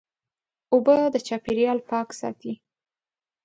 اوبه د چاپېریال پاک ساتي.